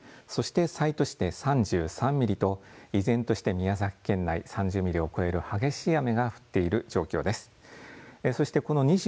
宮崎市で３３．５ミリそして西都市で３３ミリと依然として宮崎県内３０ミリを超える激しい雨が降っている状況です。